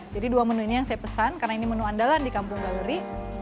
jadi dua menu ini yang saya pesan karena ini menu andalan di kampung galeri